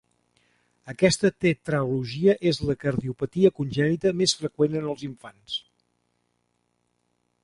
Aquesta tetralogia és la cardiopatia congènita més freqüent en els infants.